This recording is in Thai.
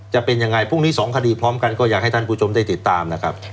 จะเป็นยังไงพรุ่งนี้สองคดีพร้อมกันก็อยากให้ท่านผู้ชมได้ติดตามนะครับ